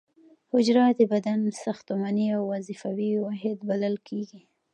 حجره د بدن ساختماني او وظیفوي واحد بلل کیږي